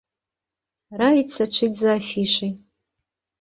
Раіць сачыць за афішай.